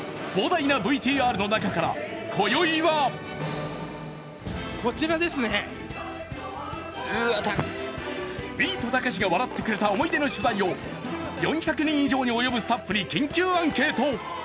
膨大なＶＴＲの中から、今宵は「ビートたけしが笑ってくれた思い出の取材」を４００人におよぶスタッフに緊急アンケート！